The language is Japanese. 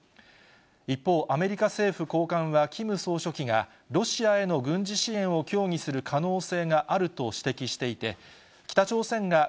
一方、アメリカ政府高官はキム総書記が、ロシアへの軍事支援を協議する可能性があると指摘していて、以上、きょうコレをお伝えしました。